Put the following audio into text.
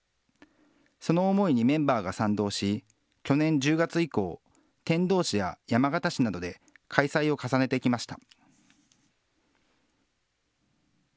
その思いにメンバーが賛同し、去年１０月以降、天童市や山形市などで開催を重ねてきました。